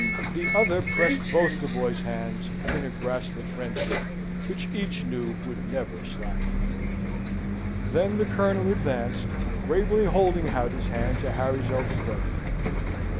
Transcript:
The other pressed both the boy's hands, in a grasp of friendship, which each knew never would slacken. Then the Colonel advanced, gravely holding out his hand to Harry's elder brother.